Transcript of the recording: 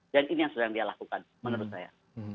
dan ini yang sedang dia lakukan menurut saya